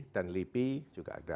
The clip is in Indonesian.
dan lipi juga ada